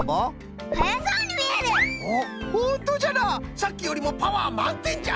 さっきよりもパワーまんてんじゃ！